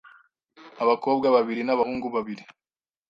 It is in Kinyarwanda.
abakobwa babiri n’abahungu babiri